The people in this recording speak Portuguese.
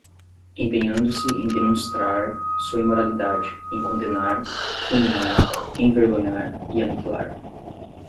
empenhando-se em demonstrar sua imoralidade, em condenar, fulminar, envergonhar... e aniquilar